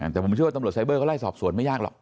แต่ผมเชื่อว่าตำรวจไซเบอร์ก็ไล่สอบสวนไม่ยากหรอก